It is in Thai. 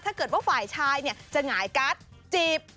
ถ้าเกิดว่าฝ่ายชายจะหงายการ์ดจีบ